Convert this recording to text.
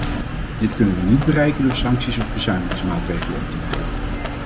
Dit kunnen we niet bereiken door sancties of bezuinigingsmaatregelen op te leggen.